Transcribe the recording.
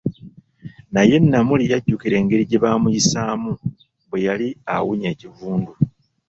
Naye Namuli yajjukira engeri gye bamuyisaamu, bwe yali awunya ekivundu .